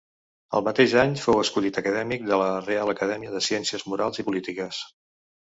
El mateix any fou escollit acadèmic de la Reial Acadèmia de Ciències Morals i Polítiques.